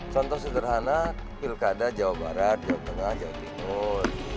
contoh sederhana pilkada jawa barat jawa tengah jawa timur